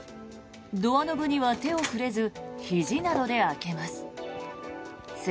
ドアノブには手を触れずひじなどで開けます。